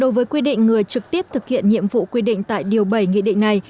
đối với quy định người trực tiếp thực hiện nhiệm vụ quy định tại điều bảy nghị định này